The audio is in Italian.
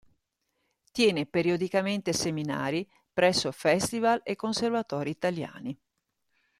Tiene periodicamente seminari presso Festival e Conservatori italiani.